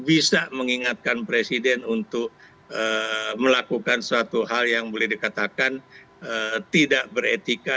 bisa mengingatkan presiden untuk melakukan suatu hal yang boleh dikatakan tidak beretika